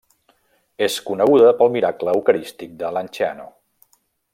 És coneguda pel Miracle Eucarístic de Lanciano.